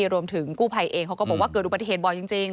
รวมถึงกู้ภัยเองเขาก็บอกว่าเกิดอุบัติเหตุบ่อยจริง